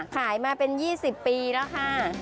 ขายมาเป็น๒๐ปีแล้วค่ะ